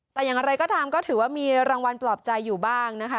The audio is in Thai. แต่อย่างไรก็ตามก็ถือว่ามีรางวัลปลอบใจอยู่บ้างนะคะ